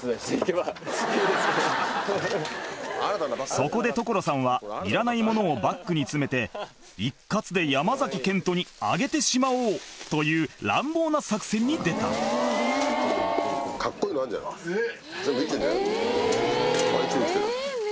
そこで所さんはいらないものをバッグに詰めて一括で山賢人にあげてしまおう！という乱暴な作戦に出たハハっ！